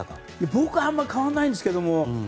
僕はあんまり変わらないんですけど。